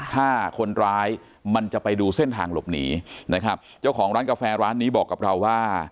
ถ้าคนร้ายมันจะไปดูเส้นทางหลบหนีนะครับเจ้าของร้านกาแฟร้านนี้บอกกับเราว่า